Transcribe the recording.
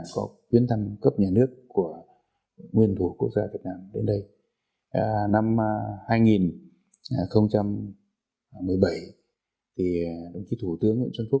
có một sự ngưỡng hộ